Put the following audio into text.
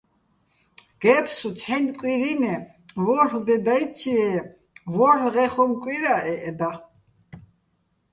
გე́ფსუ, ცჰ̦აჲნი̆ კვირინე, ვორ'ლ დე დაჲციჲე́, ვო́რ'ლღეჼ ხუმ კვირაჸეჸ და.